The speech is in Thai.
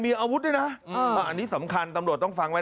มีอาวุธด้วยนะอันนี้สำคัญตำรวจต้องฟังไว้